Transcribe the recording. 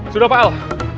sudah pak al